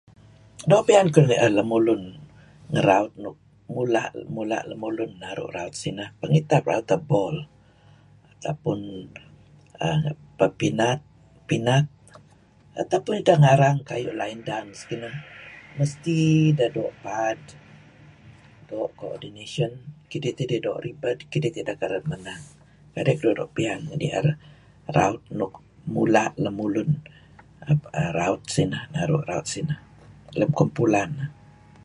Doo' piyan keduih ni'er lemulun ngeraut nuk mula' mula' lemulun raut sinah pengitap raut abol ataupun err pepinat pinat ataupun idah ngarang kayu' line dance kinah mesti deh doo' paad doo' co-ordination kidih tidih doo' ribed kidih tideh kereb menang. Kadi' keduih doo' piyan ni'er raut nuk mula' lemulun raut sinah naru' raut sinah lem kumpulan nah.